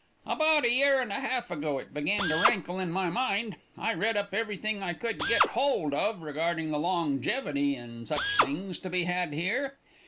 "About a year and a half ago it began to rankle in my mind. I read up everything I could get hold of regarding the longevity and such things to be had here.